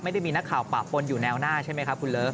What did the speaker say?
ไม่ได้มีนักข่าวปะปนอยู่แนวหน้าใช่ไหมครับคุณเลิฟ